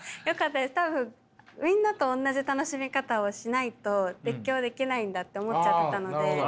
多分みんなとおんなじ楽しみ方をしないと熱狂できないんだって思っちゃってたので何か